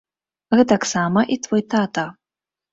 Гэтаксама і твой тата.